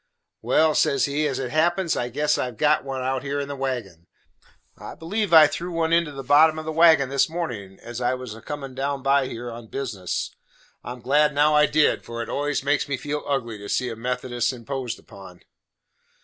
"Well," says he, "as it happens, I guess I have got one out here in the wagon. I believe I threw one into the bottom of the wagon this mornin', as I was a comin' down by here on business. I am glad now I did, for it always makes me feel ugly to see a Methodist imposed upon."